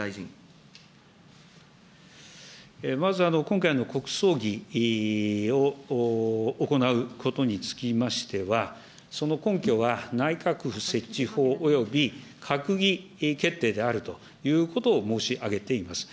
まず、今回の国葬儀を行うことにつきましては、その根拠は、内閣府設置法および閣議決定であるということを申し上げています。